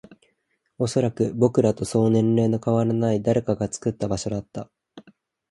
おそらく、僕らとそう年齢の変わらない誰かが作った場所だった